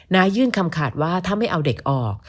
ยื่นคำขาดว่าถ้าไม่เอาเด็กออก